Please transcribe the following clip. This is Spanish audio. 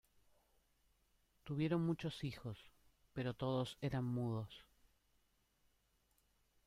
Tuvieron muchos hijos, pero todos eran mudos.